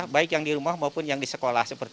baik yang di rumah maupun yang di sekolah